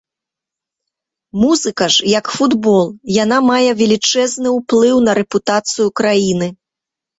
Музыка ж, як футбол, яна мае велічэзны ўплыў на рэпутацыю краіны.